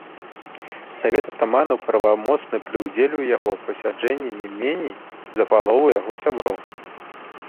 Савет атаманаў правамоцны пры ўдзеле ў яго пасяджэнні не меней за палову яго сяброў.